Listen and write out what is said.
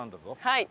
はい。